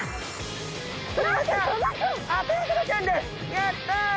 やった！